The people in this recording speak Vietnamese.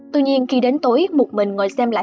tuy nhiên khi đến tối một mình ngồi xem lại